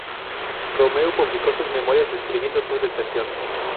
Romeu publicó sus memorias, describiendo su detención.